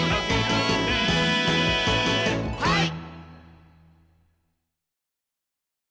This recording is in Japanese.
はい！